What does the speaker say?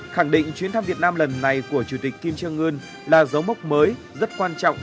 khẳng định chuyến thăm việt nam lần này của chủ tịch kim trương ươn là dấu mốc mới rất quan trọng